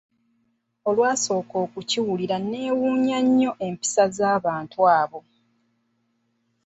Olwasooka okukiwulira neewuunya nnyo empisa z'abantu abo.